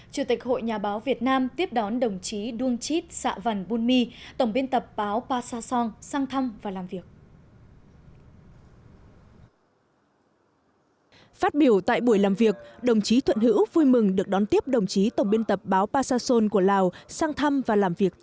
chủ tịch hội nhà báo việt nam tiếp đón đồng chí đương chít sạ văn buôn my tổng biên tập báo pa sa son sang thăm và làm việc